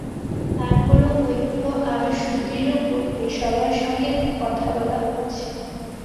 তার পরও ঐক্য আরও সুদৃঢ় করতে সবার সঙ্গে কথা বলা হচ্ছে।